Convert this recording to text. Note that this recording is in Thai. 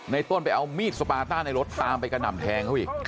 ต้นไปเอามีดสปาต้าในรถตามไปกระหน่ำแทงเขาอีก